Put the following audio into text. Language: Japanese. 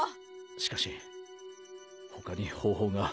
しかし他に方法が。